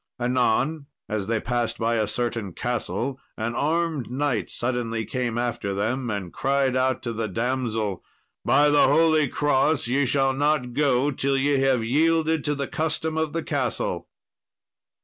Anon, as they passed by a certain castle, an armed knight suddenly came after them, and cried out to the damsel, "By the holy cross, ye shall not go till ye have yielded to the custom of the castle."